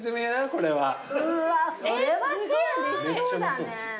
これは。それはシェアできそうだね。